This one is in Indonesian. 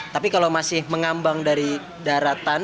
tapi kalau masih mengambang dari daratan